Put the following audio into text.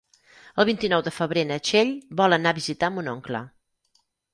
El vint-i-nou de febrer na Txell vol anar a visitar mon oncle.